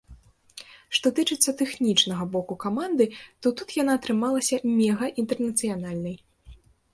Што тычыцца тэхнічнага боку каманды, то тут яна атрымалася мегаінтэрнацыянальнай.